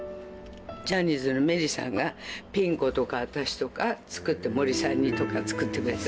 ジャニーズのメリーさんがピン子とか私とか作って森さんにとか作ってくれた。